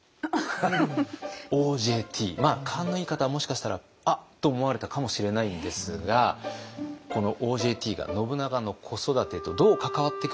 勘のいい方はもしかしたら「あっ！」と思われたかもしれないんですがこの「ＯＪＴ」が信長の子育てとどう関わってくるのか。